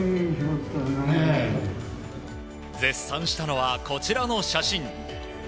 絶賛したのはこちらの写真。